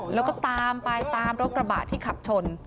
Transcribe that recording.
แล้วก็ตามไปตามรถกระบะที่ขับชน